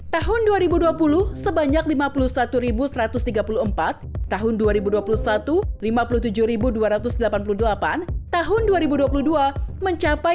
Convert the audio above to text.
tahun dua ribu dua puluh sebanyak lima puluh satu satu ratus tiga puluh empat tahun dua ribu dua puluh satu lima puluh tujuh dua ratus delapan puluh delapan tahun dua ribu dua puluh dua mencapai